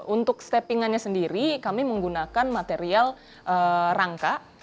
untuk stepping annya sendiri kami menggunakan material yang lebih mudah